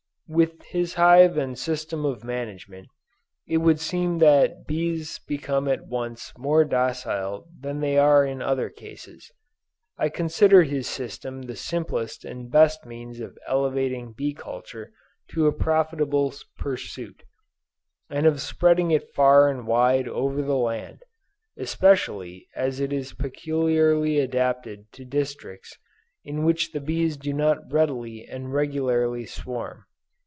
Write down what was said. With his hive and system of management it would seem that bees become at once more docile than they are in other cases. I consider his system the simplest and best means of elevating bee culture to a profitable pursuit, and of spreading it far and wide over the land especially as it is peculiarly adapted to districts in which the bees do not readily and regularly swarm.